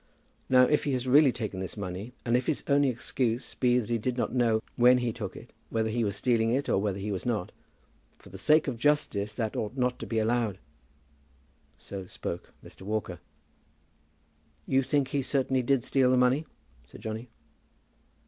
Now, if he has really taken this money, and if his only excuse be that he did not know when he took it whether he was stealing or whether he was not, for the sake of justice that ought not to be allowed." So spoke Mr. Walker. "You think he certainly did steal the money?" said Johnny.